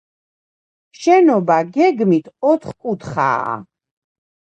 შენობა გეგმით ოთხკუთხაა.